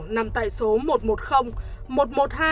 nằm tại số một trăm một mươi một trăm một mươi hai